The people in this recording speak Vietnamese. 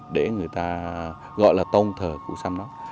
để người ta gọi là tôn thờ cụ sâm đó